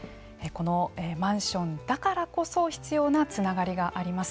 このマンションだからこそ必要なつながりがあります。